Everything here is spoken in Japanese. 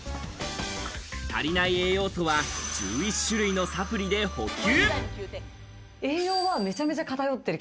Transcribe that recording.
足りない栄養素は１１種類のサプリで補給。